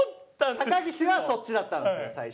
高岸はそっちだったんですよ最初。